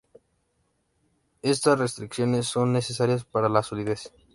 Estas restricciones son necesarias para la solidez.